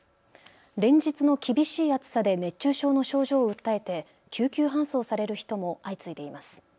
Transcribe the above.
連日の厳しい暑さで熱中症の症状を訴えて救急搬送される人も相次いでいます。